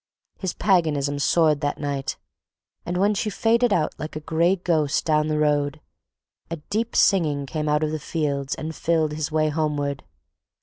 His paganism soared that night and when she faded out like a gray ghost down the road, a deep singing came out of the fields and filled his way homeward.